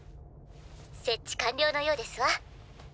設置完了のようですわ。